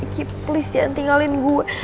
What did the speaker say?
ki please jangan tinggalin gue